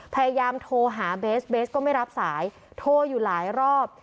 พยายามโทรหาเบสเบสก็ไม่รับสายโทรอยู่หลายรอบ